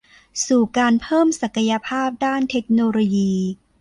สู่การเพิ่มศักยภาพด้านเทคโนโลยี